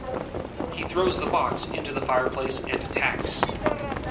He throws the box into the fireplace and attacks.